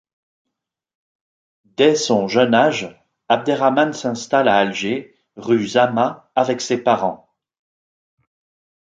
Dès son jeune âge, Abderrahmane s'installe à Alger, rue Zama, avec ses parents.